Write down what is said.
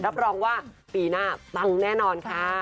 รับรองว่าปีหน้าปังแน่นอนค่ะ